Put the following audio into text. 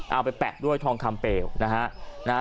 เอาไปแปะด้วยทองคำเปลวนะฮะ